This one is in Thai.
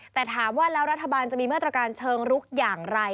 แต่ถามว่าแล้วรัฐบาลจะมีมาตรการเชิงลุกอย่างไร